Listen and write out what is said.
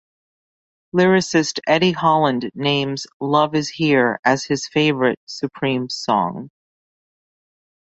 Lyricist Eddie Holland names "Love is Here" as his favorite Supremes song.